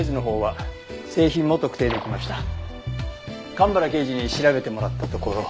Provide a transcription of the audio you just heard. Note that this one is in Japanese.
蒲原刑事に調べてもらったところ。